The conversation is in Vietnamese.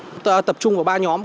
chúng ta tập trung vào ba nhóm